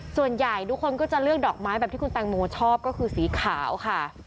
ส่วนใหญ่ทุกคนก็จะเลือกดอกไม้แบบที่คุณแตงโมชอบก็คือสีขาวค่ะ